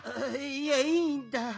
いやいいんだ。